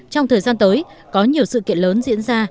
trong thời gian tới có nhiều sự kiện lớn diễn ra